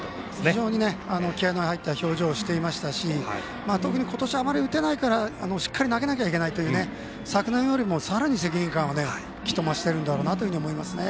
非常に気合いの入った表情をしていましたし特に今年はあまり打てないからしっかり投げなきゃいけないと昨年よりもさらに責任感が増してるんだろうなと思いますね。